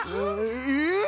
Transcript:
えっ！？